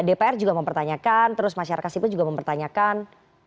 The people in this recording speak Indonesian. dpr juga mempertanyakan terus masyarakat sipil juga mempertanyakan